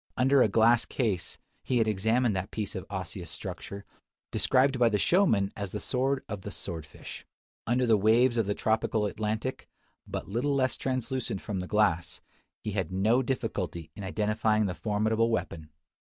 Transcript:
Under a glass case he had examined that piece of osseous structure, described by the showman as the sword of the sword fish. Under the waves of the tropical Atlantic, but little less translucent than the glass, he had no difficulty in identifying the formidable weapon!